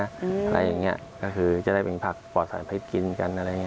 อะไรอย่างนี้ก็คือจะได้เป็นผักปลอดสารพิษกินกันอะไรอย่างนี้